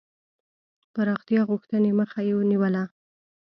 پراختیا غوښتني مخه یې نیوله.